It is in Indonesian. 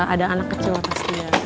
ada anak kecil pasti ya